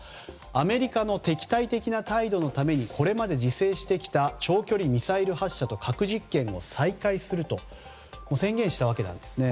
アメリカの敵対的な態度のためにこれまで自制してきた長距離ミサイル発射と核実験を再開すると宣言したわけですね。